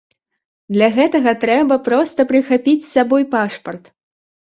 Для гэтага трэба проста прыхапіць з сабой пашпарт.